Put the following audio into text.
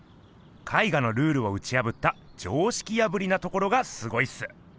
絵画のルールをうちやぶった「常識破り」なところがすごいっす。